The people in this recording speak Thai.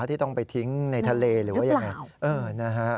ที่ต้องไปทิ้งในทะเลหรือว่ายังไง